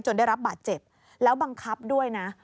ได้รับบาดเจ็บแล้วบังคับด้วยนะ